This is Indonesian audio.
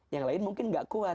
yang lain mungkin nggak kuat